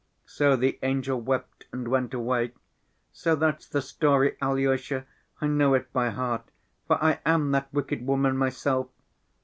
So the angel wept and went away. So that's the story, Alyosha; I know it by heart, for I am that wicked woman myself.